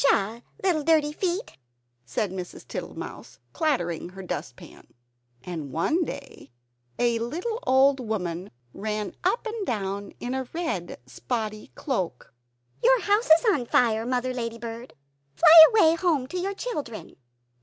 "Shuh! shuh! little dirty feet!" said Mrs. Tittlemouse, clattering her dustpan. And one day a little old woman ran up and down in a red spotty cloak. "Your house is on fire, Mother Ladybird! Fly away home to your children!"